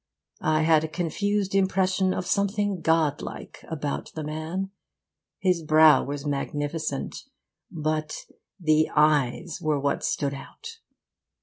I had a confused impression of something godlike about the man. His brow was magnificent. But the eyes were what stood out.